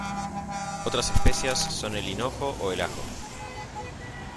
Otras especias son el hinojo o el ajo.